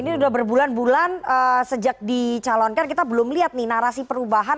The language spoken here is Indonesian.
ini sudah berbulan bulan sejak dicalonkan kita belum lihat nih narasi perubahan